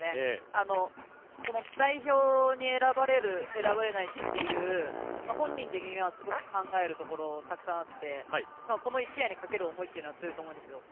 代表に選ばれる選ばれないという本人的には、すごく考えるところたくさんあってこの１試合にかける思いは強いと思うんですよ。